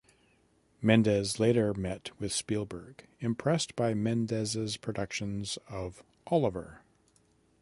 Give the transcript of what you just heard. Mendes later met with Spielberg; impressed by Mendes' productions of Oliver!